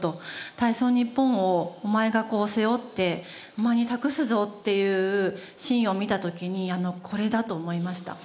体操ニッポンをお前が背負ってお前に託すぞっていうシーンを見た時にこれだ！と思いました。